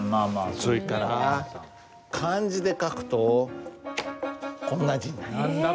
それから漢字で書くとこんな字になります。